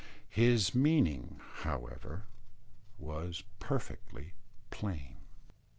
His meaning, however, was perfectly plain.